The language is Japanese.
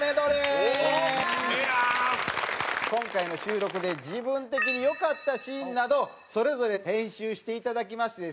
今回の収録で自分的に良かったシーンなどそれぞれ編集していただきましてですね